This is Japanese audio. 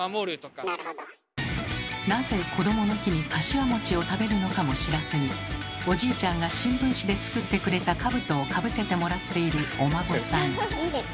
なぜこどもの日にかしわを食べるのかも知らずにおじいちゃんが新聞紙で作ってくれたかぶとをかぶせてもらっているお孫さん。